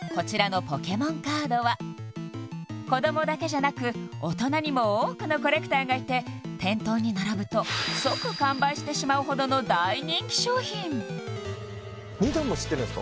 深澤くんも子どもだけじゃなく大人にも多くのコレクターがいて店頭に並ぶと即完売してしまうほどの大人気商品値段も知ってるんすか？